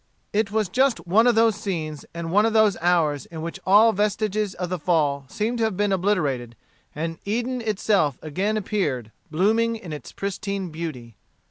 It was just one of those scenes and one of those hours in which all vestiges of the Fall seemed to have been obliterated, and Eden itself again appeared blooming in its pristine beauty.